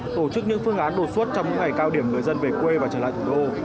tổ chức những phương án đột xuất trong những ngày cao điểm người dân về quê và trở lại thủ đô